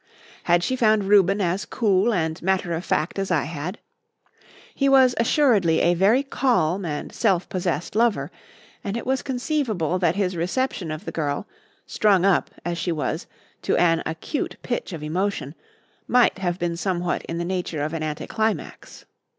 Had she found Reuben as cool and matter of fact as I had? He was assuredly a very calm and self possessed lover, and it was conceivable that his reception of the girl, strung up, as she was, to an acute pitch of emotion, might have been somewhat in the nature of an anticlimax.